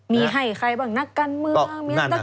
มีให้ใครบ้างนักการเมือง